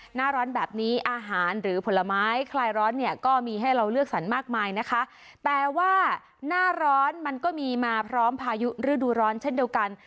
หน้าร้อนแบบนี้อาหารหรือผลไม้คลายร้อนเนี่ยก็มีให้เราเลือกสรรมากมายนะคะแต่ว่าหน้าร้อนมันก็มีมาพร้อมพายุฤดูร้อนเช่นเดียวกัน